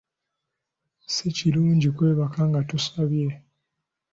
Si kirungi kwebaka nga tosabye.